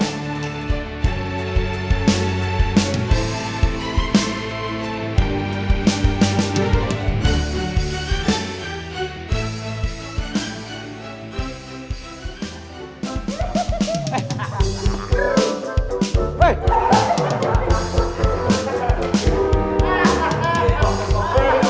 yang paling berharga